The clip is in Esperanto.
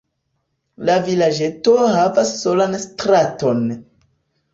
La vilaĝeto havas solan straton.